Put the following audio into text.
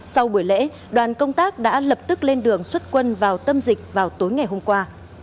sau buổi lễ đoàn công tác đã lập tức lên đường xuất quân vào tâm dịch vào tối ngày hôm qua